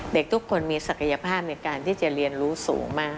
เด็กทุกคนมีศักยภาพในการที่จะเรียนรู้สูงมาก